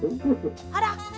あら！